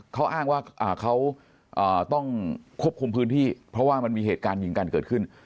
เขาอ้างว่าเขาต้องควบคุมพื้นที่เพราะว่ามันมีเหตุการณ์ยิงกันเกิดขึ้น